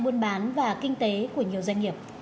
buôn bán và kinh tế của nhiều doanh nghiệp